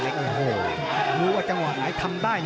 โอ้โหรู้ว่าจังหวะไหนทำได้นะ